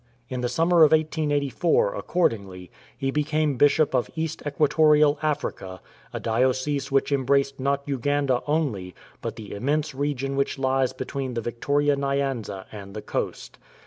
In the summer of 1884, accordingly, he became Bishop of East Equatorial Africa, a diocese which embraced not Uganda only, but the immense region which lies between the Victoria Nyanza and the coast.